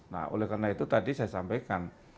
nah oleh karena itu tadi saya sampaikan